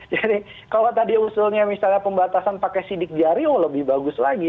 jadi kalau tadi usulnya misalnya pembatasan pakai sidik jari oh lebih bagus lagi